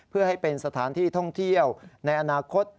เพื่อให้เป็นสถานที่ท่องเที่ยวในอนาคต